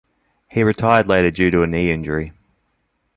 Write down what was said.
He retired later due to a knee injury.